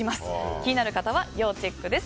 気になる方は要チェックです。